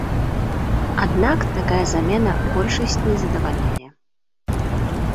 Аднак такая замена большасць не задавальняе.